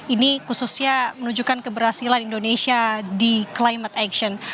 ini khususnya menunjukkan keberhasilan indonesia di climate action